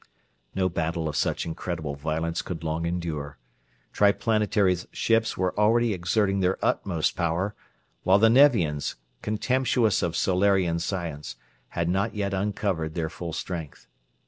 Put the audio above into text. No battle of such incredible violence could long endure. Triplanetary's ships were already exerting their utmost power, while the Nevians, contemptuous of Solarian science, had not yet uncovered their full strength.